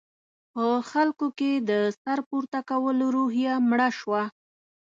په خلکو کې د سر پورته کولو روحیه مړه شوه.